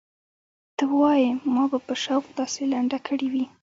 ته وايې ما به په شوق داسې لنډه کړې وي.